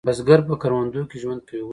بزګر په کروندو کې ژوند کوي